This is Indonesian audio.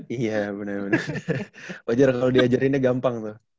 iya bener bener wajar kalau diajarinnya gampang tuh